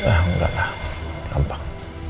enggak lah gampang